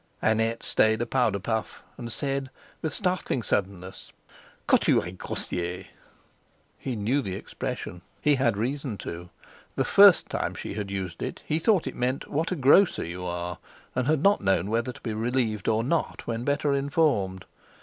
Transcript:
Annette stayed a powder puff, and said with startling suddenness "Que tu es grossier!" He knew the expression—he had reason to. The first time she had used it he had thought it meant "What a grocer you are!" and had not known whether to be relieved or not when better informed.